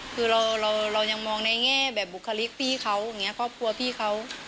คือเรายังมองในแง่แบบบุคลิกพี่เขาอย่างนี้ครอบครัวพี่เขา